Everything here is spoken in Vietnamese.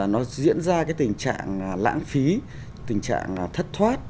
nó diễn ra cái tình trạng lãng phí tình trạng thất thoát